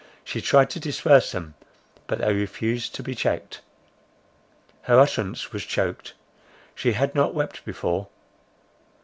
She tried to disperse them, but they refused to be checked—her utterance was choaked. She had not wept before.